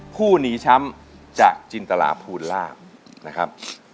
ผู้หนีช้ำจากจินตราภูลาภนะครับ